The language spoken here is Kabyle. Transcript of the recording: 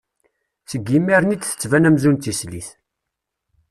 Seg yimir-nni i d-tettban amzun d tislit.